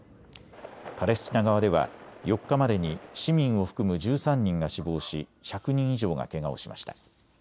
パレスチナ側では４日までに市民を含む１３人が死亡し１００人以上がけがをしました。